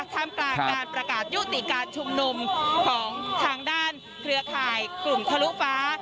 ท่ามกลางการประกาศยุติการชุมนุมของทางด้านเครือข่ายกลุ่มทะลุฟ้า